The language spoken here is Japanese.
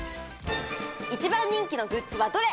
一番人気のグッズはどれ？